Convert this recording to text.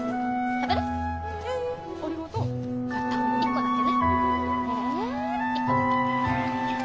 １個だけ。